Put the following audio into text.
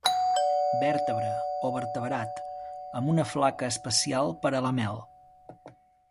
Vèrtebra o vertebrat amb una flaca especial per a la mel.